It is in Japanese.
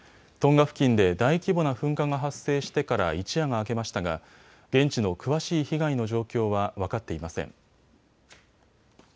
トンガ付近で大規模な噴火が発生してから一夜が明けましたが現地の詳しい被害の状況は分かっていません。